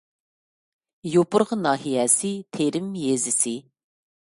يوپۇرغا ناھىيەسى تېرىم يېزىسى